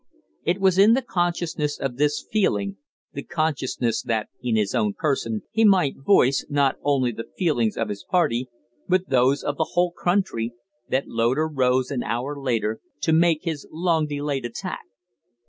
It was in the consciousness of this feeling the consciousness that, in his own person, he might voice, not only the feelings of his party, but those of the whole country that Loder rose an hour later to make his long delayed attack.